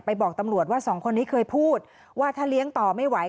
บอกตำรวจว่าสองคนนี้เคยพูดว่าถ้าเลี้ยงต่อไม่ไหว